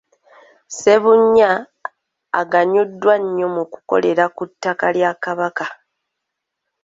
Ssebunnya aganyuddwa nnyo mu kukolera ku ttaka lya Kabaka .